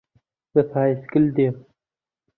بە پایسکل دێم.